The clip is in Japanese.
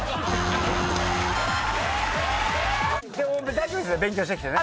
大丈夫ですよね勉強してきてね。